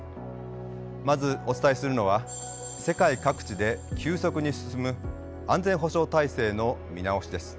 まずお伝えするのは世界各地で急速に進む安全保障体制の見直しです。